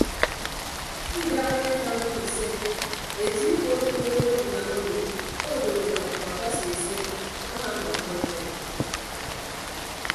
Ke idaha ekekamake isen etie iwuot okpokoro edinam odo odooho dọkta basi esien amaanọ ọmmọ item.